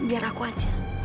biar aku aja